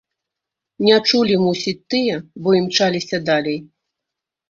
Не чулі, мусіць, тыя, бо імчаліся далей.